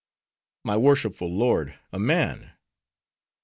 "My worshipful lord, a man."